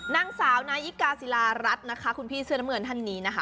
นางสาวนายิกาศิลารัฐนะคะคุณพี่เสื้อน้ำเงินท่านนี้นะคะ